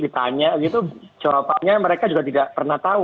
ditanya gitu jawabannya mereka juga tidak pernah tahu